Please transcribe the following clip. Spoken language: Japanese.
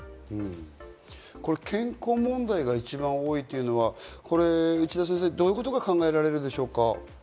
健康問題が一番多いというのは内田先生、どういうことが考えられるでしょうか？